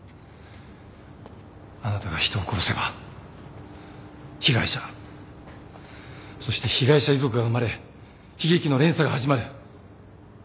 あなたが人を殺せば被害者そして被害者遺族が生まれ悲劇の連鎖が始まる。